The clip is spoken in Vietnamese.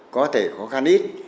có thể khó khăn ít